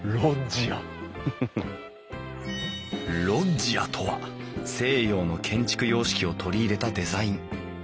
ロッジアとは西洋の建築様式を取り入れたデザイン。